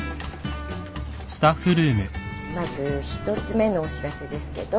まず１つ目のお知らせですけど。